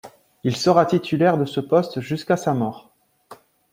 Il sera titulaire de ce poste jusqu'à sa mort.